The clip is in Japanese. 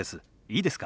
いいですか？